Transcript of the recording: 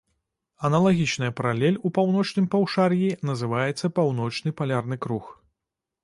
Аналагічная паралель у паўночным паўшар'і называецца паўночны палярны круг.